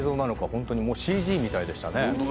本当にＣＧみたいでしたね。